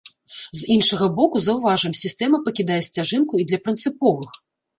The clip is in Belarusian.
З іншага боку, заўважым, сістэма пакідае сцяжынку і для прынцыповых.